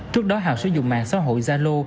trước đó hào sử dụng mạng xã hội zalo